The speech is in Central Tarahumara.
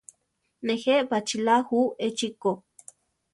Nejé baʼchíla ju echi ko.